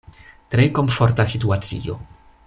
Tre komforta situacio.